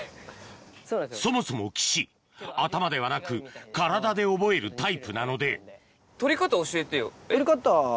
そもそも岸頭ではなく体で覚えるタイプなので採り方は。